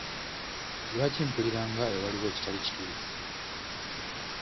Lwaki mpulira nga ewaliwo ekitali kituufu?